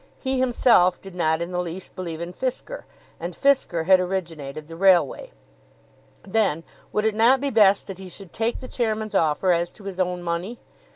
He himself did not in the least believe in Fisker, and Fisker had originated the railway. Then, would it not be best that he should take the Chairman's offer as to his own money?